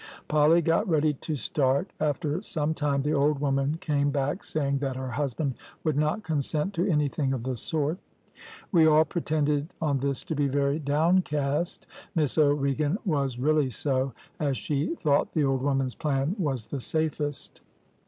Polly got ready to start; after some time the old woman came back saying that her husband would not consent to anything of the sort. We all pretended on this to be very downcast, Miss O'Regan was really so, as she thought the old woman's plan was the safest.